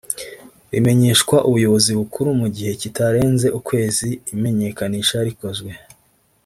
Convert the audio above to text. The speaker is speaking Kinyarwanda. rimenyeshwa Ubuyobozi Bukuru mu gihe kitarenze ukwezi imenyekanisha rikozwe